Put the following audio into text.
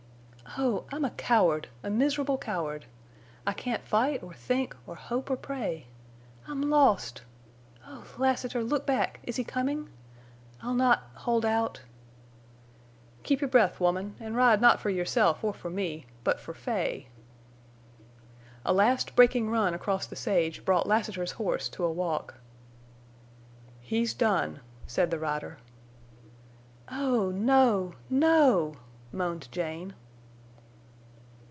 "Oh!—I'm a coward—a miserable coward! I can't fight or think or hope or pray! I'm lost! Oh, Lassiter, look back! Is he coming? I'll not—hold out—" "Keep your breath, woman, an' ride not for yourself or for me, but for Fay!" A last breaking run across the sage brought Lassiter's horse to a walk. "He's done," said the rider. "Oh, no—no!" moaned Jane.